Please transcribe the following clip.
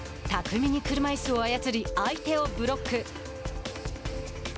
巧みに車いすを操り相手をブロック。